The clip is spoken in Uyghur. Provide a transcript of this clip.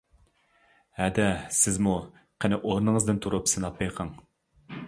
ھەدە سىزمۇ قېنى ئورنىڭىزدىن تۇرۇپ سىناپ بېقىڭ.